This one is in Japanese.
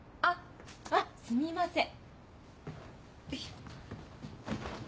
あっすみません。